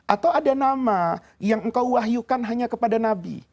atau ada nama yang engkau wahyukan hanya kepada nabi